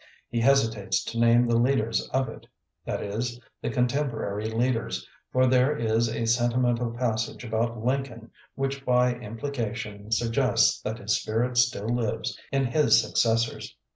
He hesitates to name the leaders of it — that is, the contemporary leaders, for there is a sentimental passage about Lincoln which by implication suggests that his spirit still lives in his suc cessors.